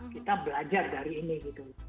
kita belajar dari ini gitu